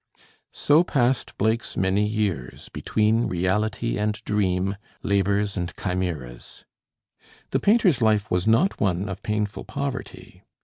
So passed Blake's many years, between reality and dream, labors and chimeras. The painter's life was not one of painful poverty.